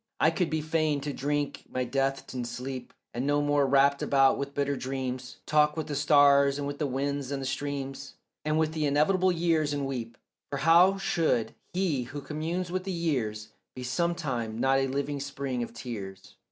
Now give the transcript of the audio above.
I could be fain to drink my death and sleep, And no more wrapped about with bitter dreams Talk with the stars and with the winds and streams And with the inevitable years, and weep; For how should he who communes with the years Be sometime not a living spring of tears?